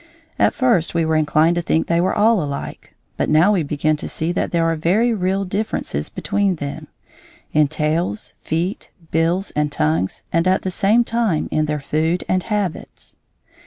At first we were inclined to think they were all alike; but now we begin to see that there are very real differences between them, in tails, feet, bills, and tongues, and at the same time in their food and habits.